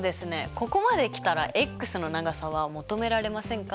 ここまできたらｘの長さは求められませんか？